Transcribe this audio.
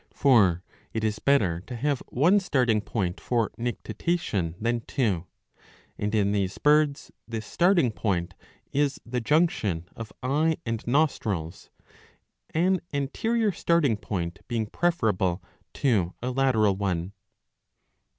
For it is better to have one starting point for nictitation than two ; and in these birds this starting point is the junction of eye and nostrils, an anterior starting point being preferable to a lateral one.'"